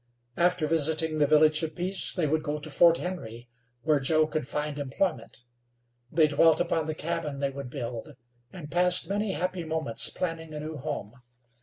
After visiting the Village of Peace, they would go to Fort Henry, where Joe could find employment. They dwelt upon the cabin they would build, and passed many happy moments planning a new home.